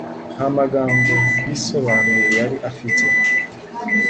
Nta magambo yisobanura yari afite